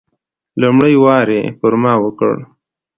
لومړی وار یې پر ما وکړ.